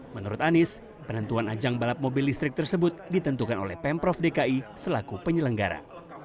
menurut anies penentuan ajang balap mobil listrik tersebut ditentukan oleh pemprov dki selaku penyelenggara